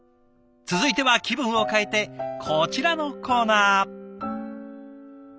続いては気分を変えてこちらのコーナー。